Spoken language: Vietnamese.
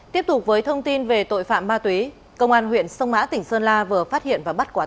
tiếp tục với thông tin về tội phạm ma túy công an huyện sông mã tỉnh sơn la vừa phát hiện và bắt quả